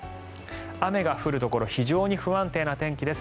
雨の降るところ非常に不安定な天気です。